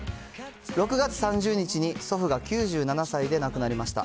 ６月３０日に祖父が９７歳で亡くなりました。